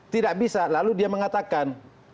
tidak bisa lalu dia mengatakan